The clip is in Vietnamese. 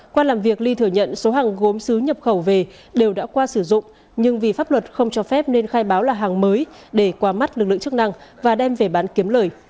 qua làm việc ly thừa nhận số hàng gốm xứ nhập khẩu về đều đã qua sử dụng nhưng vì pháp luật không cho phép nên khai báo là hàng mới để qua mắt lực lượng chức năng và đem về bán kiếm lời